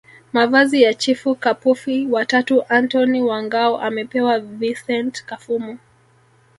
Mavazi ya Chifu Kapufi wa tatu Antony wa Ngao amepewa Vicent Kafumu